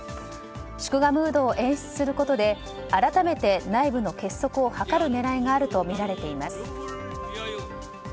祝賀ムードを演出することで改めて内部の結束を図る狙いがあるとみられています。